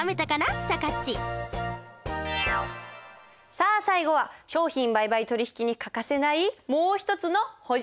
さあ最後は商品売買取引に欠かせないもう一つの補助簿です。